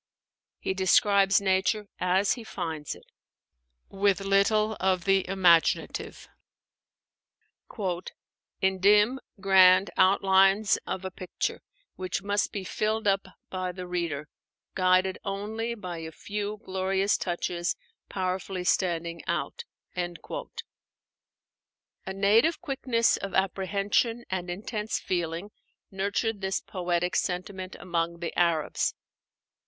He describes nature as he finds it, with little of the imaginative, "in dim grand outlines of a picture which must be filled up by the reader, guided only by a few glorious touches powerfully standing out." A native quickness of apprehension and intense feeling nurtured this poetic sentiment among the Arabs.